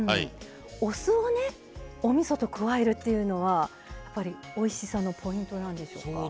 お酢をねおみそと加えるというのはやっぱりおいしさのポイントなんでしょうか？